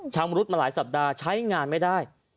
ชำรุดมาหลายสัปดาห์ใช้งานไม่ได้